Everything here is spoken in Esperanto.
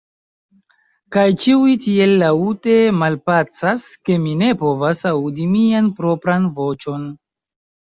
Kaj ĉiuj tiel laŭte malpacas, ke mi ne povas aŭdi mian propran voĉon.